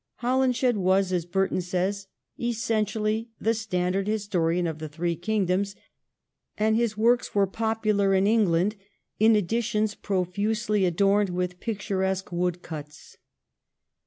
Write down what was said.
Holinshed was, as Burton says, "essentially the standard historian of the three kingdoms, and his works were popular in England in editions profusely adorned with picturesque woodcuts.'